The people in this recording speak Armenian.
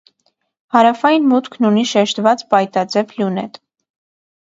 Հարավային մուտքն ունի շեշտված պայտաձև լյունետ։